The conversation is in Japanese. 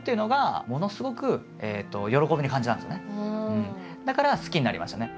なのでだから好きになりましたね。